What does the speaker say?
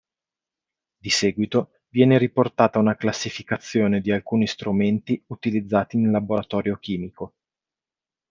Di seguito viene riportata una classificazione di alcuni strumenti utilizzati in "laboratorio chimico".